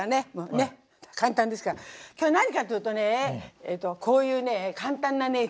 ねっ簡単ですから。今日何かっていうとねこういうね簡単なディップなのね。